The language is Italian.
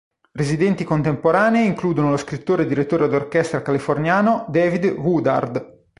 Residenti contemporanei includono lo scrittore e direttore d'orchestra californiano David Woodard.